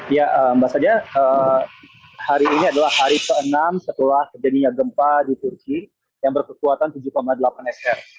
ya mbak saja hari ini adalah hari ke enam setelah terjadinya gempa di turki yang berkekuatan tujuh delapan sr